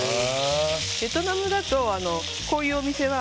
ベトナムだと、こういうお店は